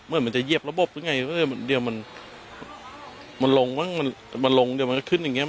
เหมือนมันจะเหยียบระบบหรือไงเดี๋ยวมันลงมั้งมันลงเดี๋ยวมันก็ขึ้นอย่างนี้